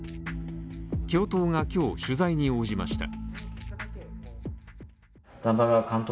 教頭が今日、取材に応じました。